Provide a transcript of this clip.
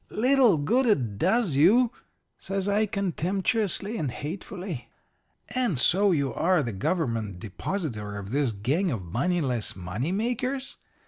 "'Little good it does you,' says I, contemptuously and hatefully. 'And so you are the government depository of this gang of moneyless money makers?